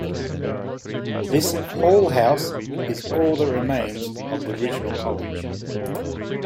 This hall-house is all that remains of the original College.